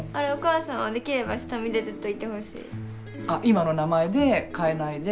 今の名前で変えないで。